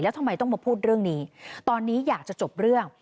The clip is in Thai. แล้วทำไมต้องมาพูดเรื่องนี้ตอนนี้อยากจะจบเรื่อง